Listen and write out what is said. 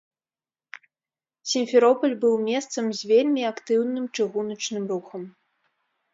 Сімферопаль быў месцам з вельмі актыўным чыгуначным рухам.